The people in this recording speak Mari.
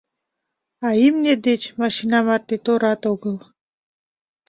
А имне деч машина марте торат огыл.